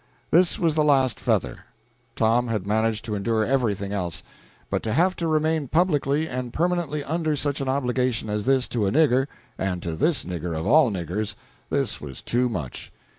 This was the last feather. Tom had managed to endure everything else, but to have to remain publicly and permanently under such an obligation as this to a nigger, and to this nigger of all niggers this was too much.